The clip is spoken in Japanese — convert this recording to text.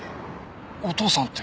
お父さんって。